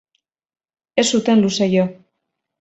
Ez zuten luze jo.